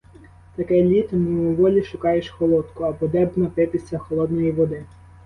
Таке літо, мимоволі шукаєш холодку, або де б напитися холодної води.